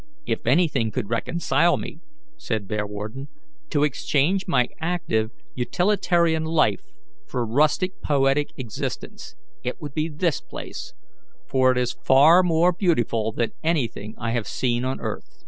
"If anything could reconcile me," said Bearwarden, "to exchange my active utilitarian life for a rustic poetical existence, it would be this place, for it is far more beautiful than anything I have seen on earth.